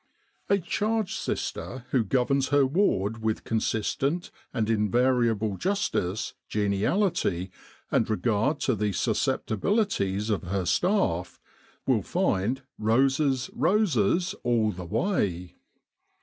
A charge sister who governs her ward with consistent and invariable justice, geniality, and regard to the susceptibilities of her staff, will find ' roses, roses, all the way.'